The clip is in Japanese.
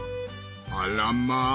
あらまあ！